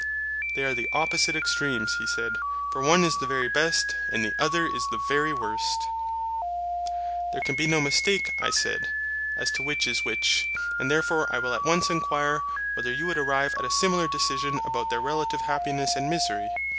They are the opposite extremes, he said, for one is the very best and the other is the very worst. There can be no mistake, I said, as to which is which, and therefore I will at once enquire whether you would arrive at a similar decision about their relative happiness and misery.